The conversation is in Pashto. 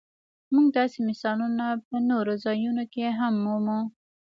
موږ داسې مثالونه په نورو ځایونو کې هم مومو.